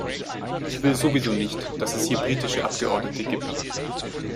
Ich will sowieso nicht, dass es hier britische Abgeordnete gibt.